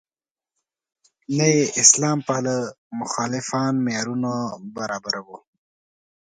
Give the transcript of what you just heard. نه یې اسلام پاله مخالفان معیارونو برابر وو.